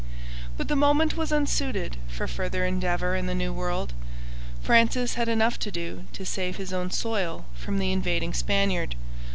But the moment was unsuited for further endeavour in the New World. Francis had enough to do to save his own soil from the invading Spaniard.